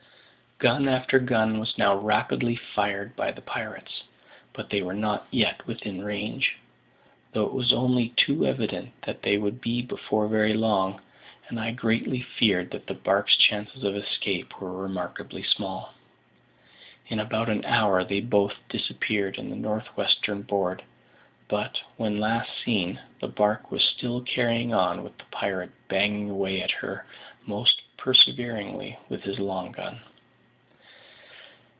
Gun after gun was now rapidly fired by the pirates, but they were not yet within range, though it was only too evident that they would be before very long, and I greatly feared that the barque's chances of escape were remarkably small. In about an hour they both disappeared in the north western board; but, when last seen, the barque was still carrying on, with the pirate banging away at her most perseveringly with his long gun.